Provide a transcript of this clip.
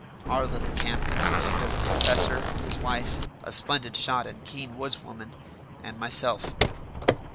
Our little camp consisted of the professor, his wife, a splendid shot and keen woods woman, and myself.